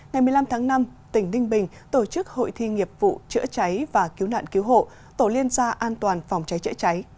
ngày một mươi năm tháng năm tỉnh đinh bình tổ chức hội thi nghiệp vụ chữa cháy và cứu nạn cứu hộ tổ liên gia an toàn phòng cháy chữa cháy năm hai nghìn hai mươi bốn